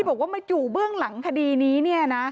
บอกว่ามาอยู่เบื้องหลังคดีนี้เนี่ยนะ